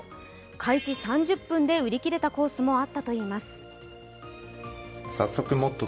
開始３０分で売り切れたコースもあったといいます。